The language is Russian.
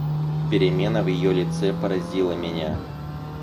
Перемена в ее лице поразила меня.